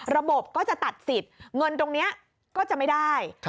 ระบบก็จะตัดสิทธิ์เงินตรงนี้ก็จะไม่ได้